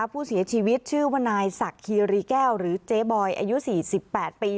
ผู้เสียชีวิตชื่อว่านายศักดิ์คีรีแก้วหรือเจ๊บอยอายุ๔๘ปี